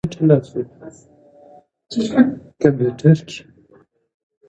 کله چې نجونې زده کړه وکړي، د ټولنیزې همکارۍ حس زیاتېږي.